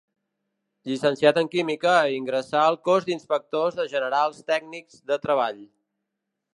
Llicenciat en química, ingressà al Cos d'Inspectors de Generals Tècnics de Treball.